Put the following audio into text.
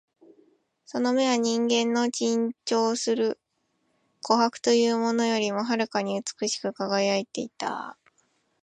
その眼は人間の珍重する琥珀というものよりも遥かに美しく輝いていた